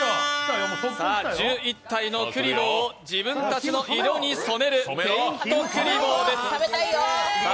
１１体のクリボーを自分たちの色に染める「ペイントクリボー」です。